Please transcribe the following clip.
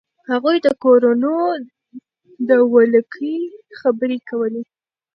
هغوی د کورونو د ولکې خبرې کولې.